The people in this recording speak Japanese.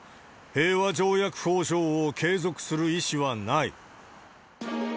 平和条約交渉を継続する意思はない。